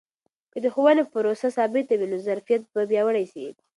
که د ښوونې پروسه ثابته وي، نو ظرفیت به پیاوړی سي.